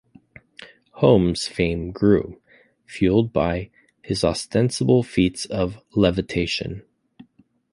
Home's fame grew, fuelled by his ostensible feats of levitation.